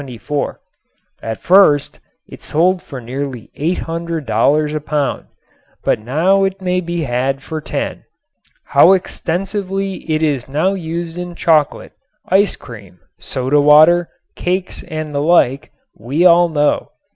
At first it sold for nearly $800 a pound, but now it may be had for $10. How extensively it is now used in chocolate, ice cream, soda water, cakes and the like we all know.